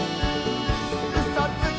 「うそつき！」